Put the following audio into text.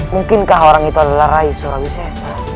mungkinkah orang itu adalah rai surawisesa